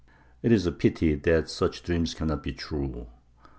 It is a pity that such dreams cannot be true.